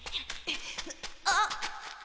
あっ。